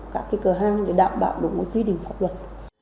cả cái cửa hàng để đảm bảo đúng với quy định pháp luật